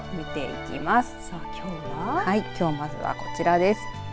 きょう、まずはこちらです。